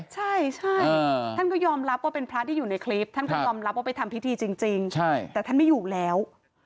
ใช่ท่านก็ยอมรับว่าเป็นพระที่อยู่ในคลิปท่านก็ยอมรับว่าไปทำพิธีจริงแต่ท่านไม่อยู่แล้ว